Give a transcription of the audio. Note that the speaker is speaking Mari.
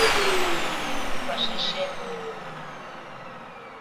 Вашешем: